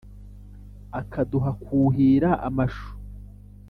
akaduha kwuhira amashu